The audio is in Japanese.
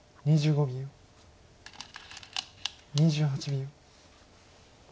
２８秒。